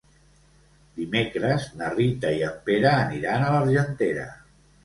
Dimecres na Rita i en Pere aniran a l'Argentera.